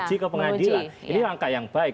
ini langkah yang baik